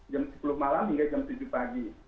jam sepuluh malam hingga jam tujuh pagi